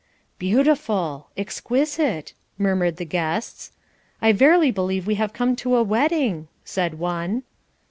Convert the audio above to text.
"Beautiful!" "Exquisite!" murmured the guests. "I verily believe we have come to a wedding," said one.